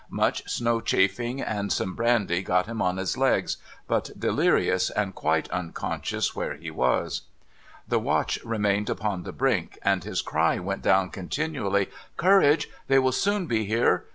Much snow chafing and some brandy got him on his legs, but delirious and quite unconscious where he was. The watch remained upon the brink, and his cry went down continually :' Courage ! They will soon be here.